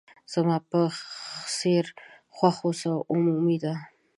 زما په څېر خوښه اوس عمومي ده.